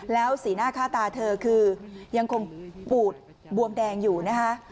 แล้วสีหน้าค่าตาเธอคือยังคงปูดบวมแดงอยู่นะคะ